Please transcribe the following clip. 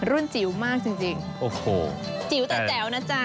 รุ่นจิ๋วมากจริงจิ๋วแต่แจ๋วนะจ๊ะโอ้โฮ